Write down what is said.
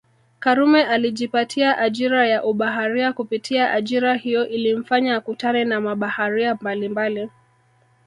Karume alijipatia ajira ya ubaharia kupitia ajira hiyo ilimfanya akutane na mabaharia mbalimbali